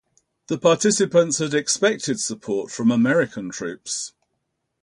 The participants had expected support from American troops.